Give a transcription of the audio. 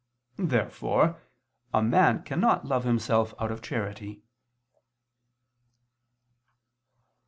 Therefore a man cannot love himself out of charity.